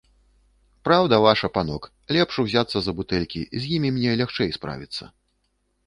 Праўда ваша, панок, лепш узяцца за бутэлькі, з імі мне лягчэй справіцца.